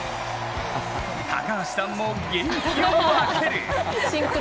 高橋さんも、元気を分ける。